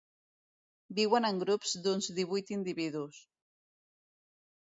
Viuen en grups d'uns divuit individus.